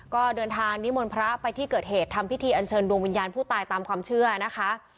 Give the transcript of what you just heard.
ก็เดินทางนิมนต์พระไปที่เกิดเหตุทำพิธีอันเชิญดวงวิญญาณผู้ตายตามความเชื่อนะคะ